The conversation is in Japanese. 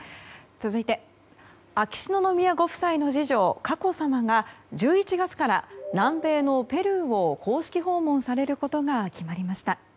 続いて秋篠宮ご夫妻の次女・佳子さまが１１月から南米のペルーを公式訪問されることが決まりました。